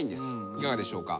いかがでしょうか？